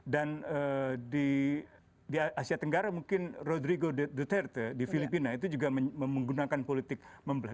dan di asia tenggara mungkin rodrigo duterte di filipina itu juga menggunakan politik membelah